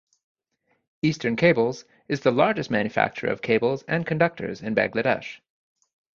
Eastern Cables is the largest manufacturer of cables and conductors in Bangladesh.